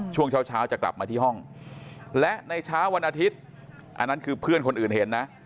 ช่วงเช้าจะกลับมาที่ห้องและในเช้าวันอาทิตย์อันนั้นคือเพื่อนคนอื่นเห็นนะ